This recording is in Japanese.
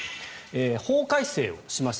法改正をしました。